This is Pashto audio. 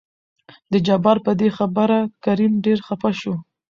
د جبار په دې خبره کريم ډېر خپه شو.